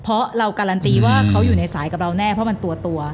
เพราะเราการันตีว่าเขาอยู่ในสายกับเราแน่เพราะมันตัว